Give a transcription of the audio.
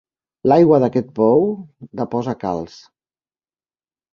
L'aigua d'aquest pou deposa calç.